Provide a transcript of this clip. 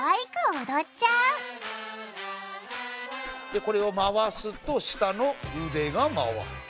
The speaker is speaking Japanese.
でこれを回すと下の腕が回る。